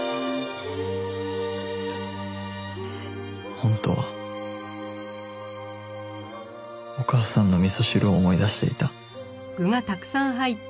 本当はお母さんの味噌汁を思い出していた